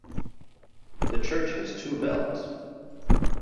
The church has two bells.